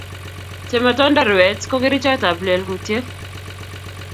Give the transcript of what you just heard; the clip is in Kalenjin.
Chematondorwet ko kerichot ab plelkutiet